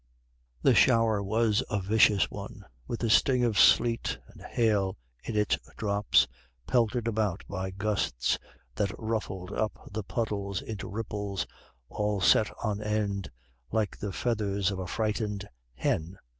The shower was a vicious one, with the sting of sleet and hail in its drops, pelted about by gusts that ruffled up the puddles into ripples, all set on end, like the feathers of a frightened hen.